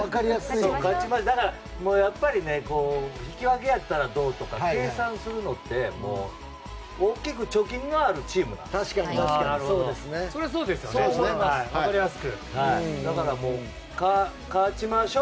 だから、やっぱり引き分けやったらどうとか計算するのって大きく貯金があるチームです。